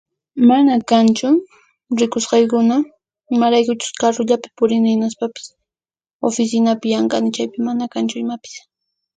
Mana kanchu rikusqaykuna imaraykuchus carrullapi purini hinaspaqpis oficinapi llank'ani chaypi mana kanchu imapis.